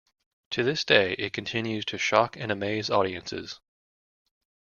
To this day it continues to shock and amaze audiences.